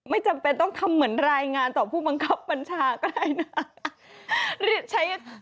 ไม่จำเป็นต้องทำเหมือนรายงานต่อผู้บังคับบัญชาก็ได้นะ